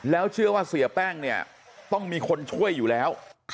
แล้วเชื่อว่าเสียแป้งเนี่ยต้องมีคนช่วยอยู่แล้ว